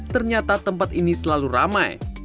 ternyata tempat ini selalu ramai